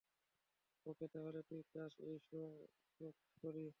ওকে, তাহলে তুই চাস এই শো আমি সোট করি?